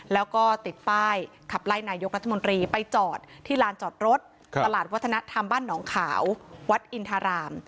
แล้วก็ติดป้ายขับไล่นายกรัฐมนตรีไปจอดที่ลานจอดรถตลาดวัฒนธรรมบ้านหนองขาววัดอินทราราม